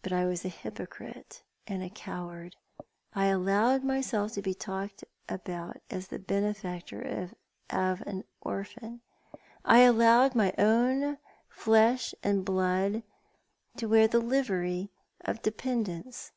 But I was a hypocrite and a coward. I allowed myself to be talked about as the benefactor of an orphan. I allowed my own flesh and blood to wear the livery of dependence.